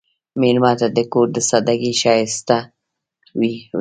مېلمه ته د کور د سادګۍ ښایست وښیه.